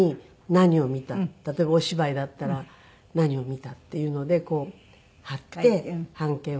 例えばお芝居だったら何を見たっていうのでこう貼って半券をね。